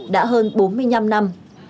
đã hơn bốn mươi năm năm